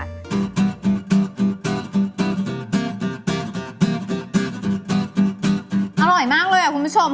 อร่อยมากเลยคุณผู้ชม